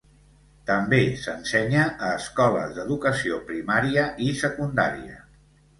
També s'ensenya a escoles d'educació primària i secundària.